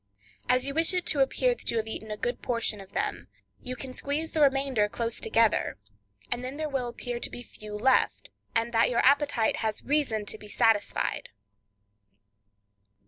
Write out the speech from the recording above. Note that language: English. As you wish it to appear that you have eaten a good portion of them, you can squeeze the remainder close together, and then there will appear to be few left, and that your appetite has reason to be satisfied.